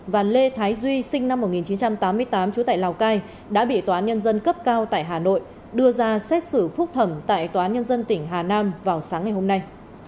và lê thái duy sinh năm một nghìn chín trăm tám mươi tám trú tại lào cai đã bị tòa án nhân dân cấp cao tại hà nội đưa ra xét xử phúc thẩm tại tòa án nhân dân tỉnh hà nam vào sáng ngày hôm nay